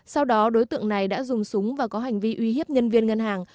sau đó đối tượng này đã dùng súng và có hành vi uy hiếp nhân viên ngân hàng